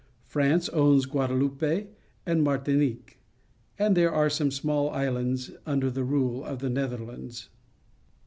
France owns Guadeloupe and Mar tinique, and there are some small islands under the rule of the Netherlands.